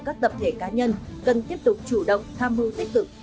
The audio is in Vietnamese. các tập thể cá nhân cần tiếp tục chủ động tham mưu tích cực